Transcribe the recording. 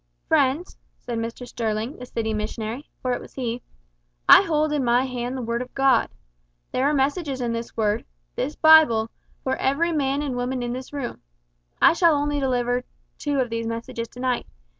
"Friends," said Mr Sterling, the city missionary, for it was he, "I hold in my hand the Word of God. There are messages in this Word this Bible for every man and woman in this room. I shall deliver only two of these messages to night.